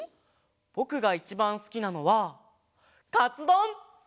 ぼくがいちばんすきなのはカツどん！